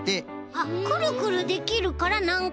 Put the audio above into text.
あっくるくるできるからなんかいでも。